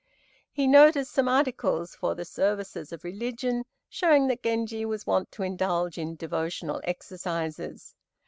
He noticed some articles for the services of religion, showing that Genji was wont to indulge in devotional exercises.